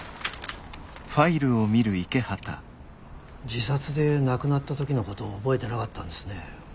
自殺で亡くなった時のことを覚えてなかったんですね？